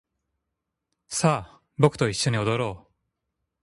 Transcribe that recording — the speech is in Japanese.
さあ僕と一緒に踊ろう